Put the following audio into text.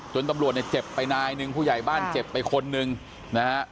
ตำรวจเนี่ยเจ็บไปนายหนึ่งผู้ใหญ่บ้านเจ็บไปคนหนึ่งนะฮะ